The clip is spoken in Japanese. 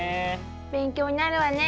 勉強になるわね。